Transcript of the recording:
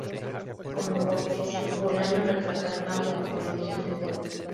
Como Borges, Bolaño retrata el campo como el origen de todo.